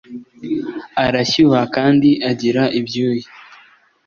arashyuha kandi agira ibyuya